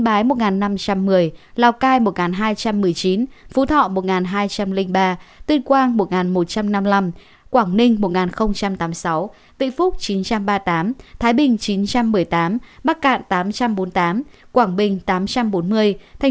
yên bái một năm trăm một mươi lào cai một hai trăm một mươi chín phú thọ một hai trăm linh ba tuyên quang một một trăm năm mươi năm quảng ninh một nghìn tám mươi sáu vĩnh phúc chín trăm ba mươi tám thái bình chín trăm một mươi tám bắc cạn tám trăm bốn mươi tám quảng bình tám trăm bốn mươi